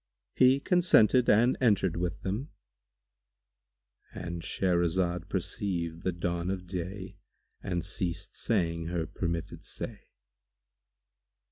He consented and entered with them,—And Shahrazad perceived the dawn of day and ceased saying her permitted say.